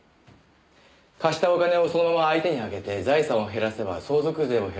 貸したお金をそのまま相手にあげて財産を減らせば相続税も減らす事が出来る。